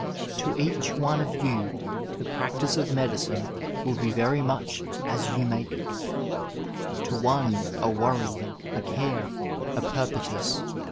To each one of you the practice of medicine will be very much as you make it — ^to one a worry, a care, a perpetua.